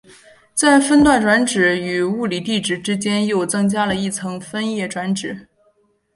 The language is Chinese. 在分段转址与物理地址之间又增加了一层分页转址。